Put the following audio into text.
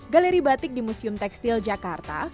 galeri batik di museum tekstil jakarta